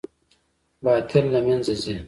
باطل له منځه ځي